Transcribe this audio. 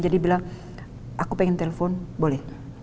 jadi bilang aku pengen telepon boleh